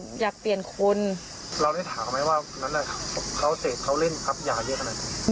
ถามไหมว่าเค้าเสร็จเค้าเล่นครับอย่าเยอะขนาดนั้น